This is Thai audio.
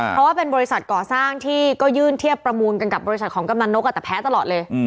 เพราะว่าเป็นบริษัทก่อสร้างที่ก็ยื่นเทียบประมูลกันกับบริษัทของกำลังนกแต่แพ้ตลอดเลย